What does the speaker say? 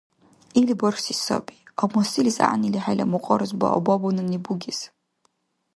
Ил бархьси саби, амма селис гӀягӀнили хӀела мукьарас баобабунани бугес.